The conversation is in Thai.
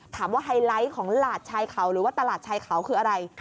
ไฮไลท์ของหลาดชายเขาหรือว่าตลาดชายเขาคืออะไร